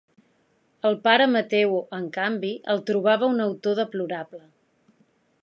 El pare Mateu, en canvi, el trobava un autor deplorable.